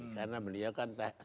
karena beliau kan seorang teknolog